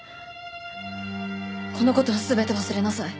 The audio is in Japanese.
この事は全て忘れなさい。